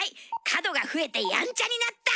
角が増えてやんちゃになった！